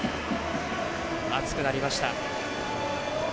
暑くなりました。